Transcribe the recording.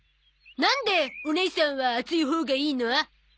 なんでおねいさんは厚いほうがいいの？